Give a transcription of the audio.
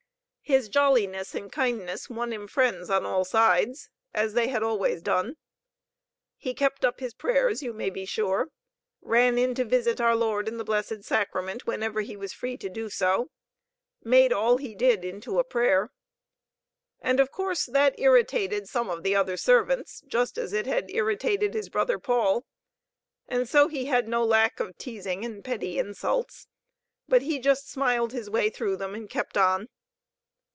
His jolliness and kindness won him friends on all sides, as they had always done. He kept up his prayers, you may be sure; ran in to visit our Lord in the Blessed Sacrament whenever he was free to do so; made all he did into a prayer. And of course that irritated some of the other servants, just as it had irritated his brother Paul. And so he had no lack of teasing and petty insults. But he just smiled his way through them and kept on.